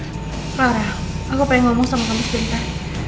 clara aku pengen ngomong sama kamu sebentar